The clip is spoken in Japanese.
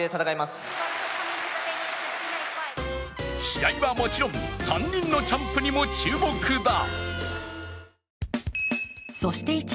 試合はもちろん３人のチャンプにも注目だ。